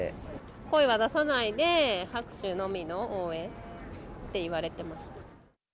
声は出さないで、拍手のみの応援って言われています。